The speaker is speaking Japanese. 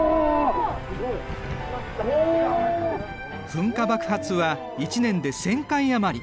噴火爆発は１年で１０００回余り。